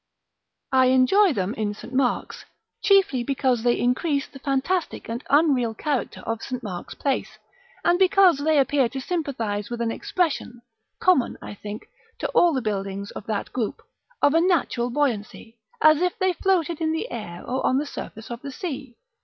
I enjoy them in St. Mark's, chiefly because they increase the fantastic and unreal character of St. Mark's Place; and because they appear to sympathise with an expression, common, I think, to all the buildings of that group, of a natural buoyancy, as if they floated in the air or on the surface of the sea.